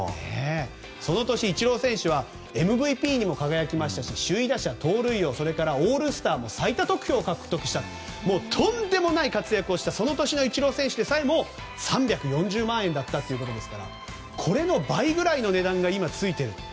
その年イチロー選手はＭＶＰにも輝きましたし首位打者、盗塁王それからオールスターも最多得票を獲得したとんでもない活躍をしたその年のイチロー選手でさえも３４０万円でしたからこれの倍ぐらいの値段が今ついている。